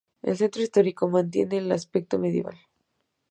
El centro histórico mantiene el aspecto medieval.